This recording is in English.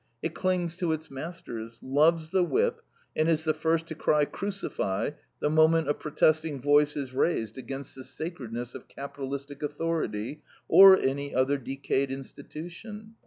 It clings to its masters, loves the whip, and is the first to cry Crucify! the moment a protesting voice is raised against the sacredness of capitalistic authority or any other decayed institution.